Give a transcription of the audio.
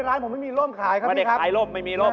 ร้านผมไม่มีโล่มขายครับพี่ครับมาเด็กขายโล่มไม่มีโล่ม